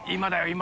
今。